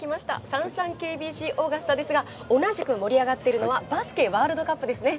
ＳａｎｓａｎＫＢＣオーガスタですが、同じく盛り上がっているのはバスケワールドカップですね。